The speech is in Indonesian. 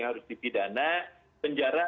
harus dipidana penjara